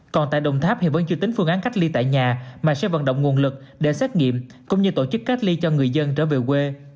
còn tại đồng tháp hiện vẫn chưa tính phương án cách ly tại nhà mà sẽ vận động nguồn lực để xét nghiệm cũng như tổ chức cách ly cho người dân trở về quê